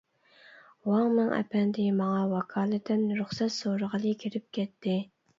ۋاڭ مىڭ ئەپەندى ماڭا ۋاكالىتەن رۇخسەت سورىغىلى كىرىپ كەتتى.